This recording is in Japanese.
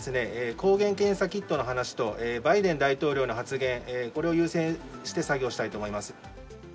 抗原検査キットの話とバイデン大統領の発言、これを優先して作業したいと思います。